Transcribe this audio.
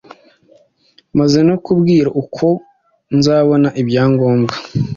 amaze no kumbwira uko nzabona ibyangombwa